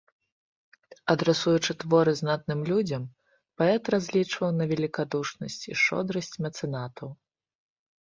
Адрасуючы творы знатным людзям, паэт разлічваў на велікадушнасць і шчодрасць мецэнатаў.